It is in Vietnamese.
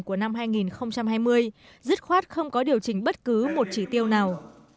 của năm hai nghìn hai mươi dứt khoát không có điều chỉnh bất cứ một chỉ tiêu nào